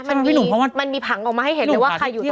คือคือคือคือ